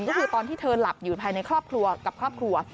ก็คือตอนที่เธอหลับอยู่ภายในครอบครัวกับครอบครัว